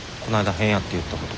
変やって言ったこと。